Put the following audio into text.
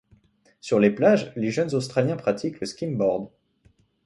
Sur les plages, les jeunes Australiens pratiquent le skimboard.